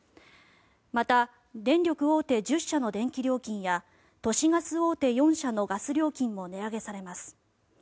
また電力大手１０社の電気料金や都市ガス大手４社のガス料金も値上げされます。